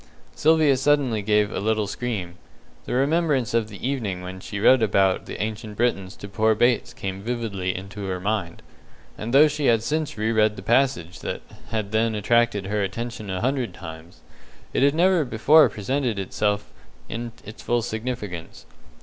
Sylvia suddenly gave a little scream. The remembrance of the evening when she read about the Ancient Britons to poor Bates came vividly into her mind, and though she had since re read the passage that had then attracted her attention a hundred times, it had never before presented itself to her in its full significance.